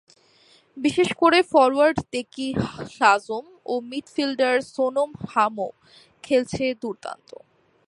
বিশেষ করে ফরোয়ার্ড দেকি হ্লাজোম ও মিডফিল্ডার সোনম হ্লামো খেলছে দুর্দান্ত।